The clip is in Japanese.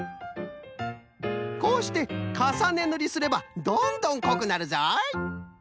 こうしてかさねぬりすればどんどんこくなるぞい。